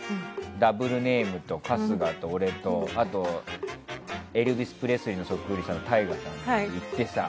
ダブルネームと春日と俺とエルヴィス・プレスリーのそっくりさんのタイガさんと行ってさ